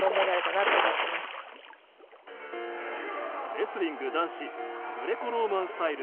レスリング男子グレコローマンスタイル